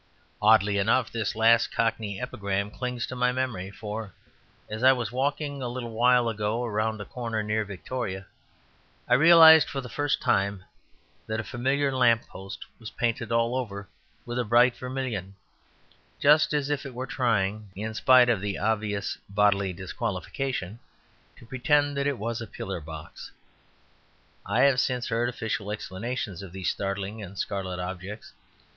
Oddly enough, this last Cockney epigram clings to my memory. For as I was walking a little while ago round a corner near Victoria I realized for the first time that a familiar lamp post was painted all over with a bright vermilion just as if it were trying (in spite of the obvious bodily disqualification) to pretend that it was a pillar box. I have since heard official explanations of these startling and scarlet objects.